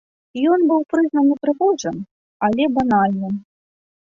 Ён быў прызнаны прыгожым, але банальным.